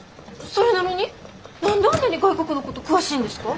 それなのに何であんなに外国のこと詳しいんですか？